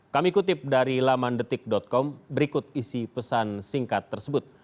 kami kutip dari lamandetik com berikut isi pesan singkat tersebut